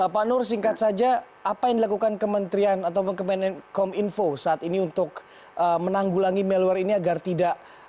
pak nur singkat saja apa yang dilakukan kementerian atau kementerian kominfo saat ini untuk menanggulangi malware ini agar tidak